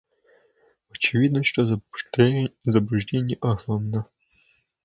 Очевидно, что заблуждение огромно.